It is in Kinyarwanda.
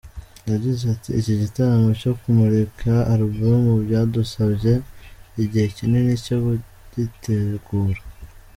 Yagize ati “Iki gitaramo cyo kumurika album byadusabye igihe kinini cyo kugitegura.